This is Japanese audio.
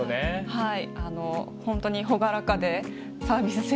はい。